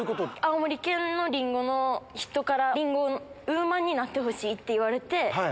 青森県のリンゴの人からりんごウーマンになってほしいって言われて。